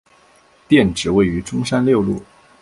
店址位于中山六路。